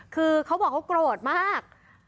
คือเขาบอกเขาโกรธมาก